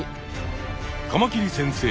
カマキリ先生